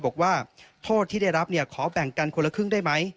บอกว่าโทษที่ได้รับขอแบ่งกันคนละครึ่งได้ไหม